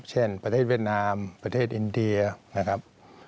เช่นประเทศเวียดนามประเทศอินเดียนะครับ